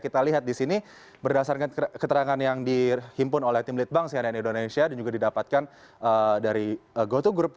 kita lihat di sini berdasarkan keterangan yang dihimpun oleh tim litbang cnn indonesia dan juga didapatkan dari goto group